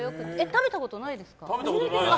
食べたことないですか？